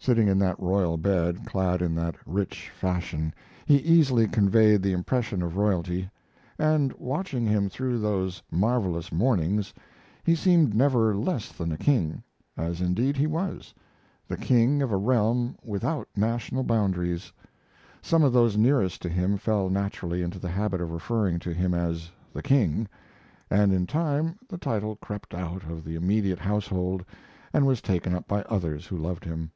Sitting in that royal bed, clad in that rich fashion, he easily conveyed the impression of royalty, and watching him through those marvelous mornings he seemed never less than a king, as indeed he was the king of a realm without national boundaries. Some of those nearest to him fell naturally into the habit of referring to him as "the King," and in time the title crept out of the immediate household and was taken up by others who loved him.